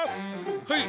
はい。